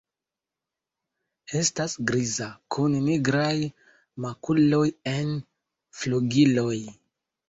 Estas griza kun nigraj makuloj en flugiloj.